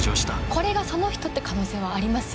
これがその人って可能性はありますよね。